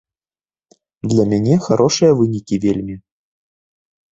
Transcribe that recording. Для мяне харошыя вынікі вельмі.